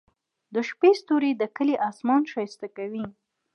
د شپې ستوري د کلي اسمان ښايسته کوي.